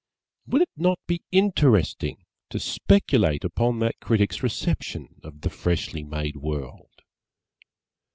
Would it not be interesting to speculate upon that Critic's reception of the freshly made World?